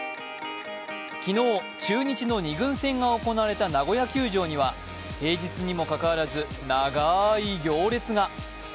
昨日、中日の２軍戦が行われたナゴヤ球場には平日にもかかわらず長い行列が。